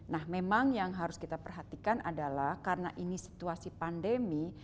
nah memang yang harus kita perhatikan adalah karena ini situasi pandemi